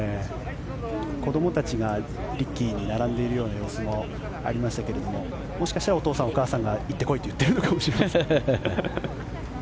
子どもたちがリッキーに並んでいる様子もありましたけれどももしかしたらお父さん、お母さんが行ってこいと言ってるのかもしれませんが。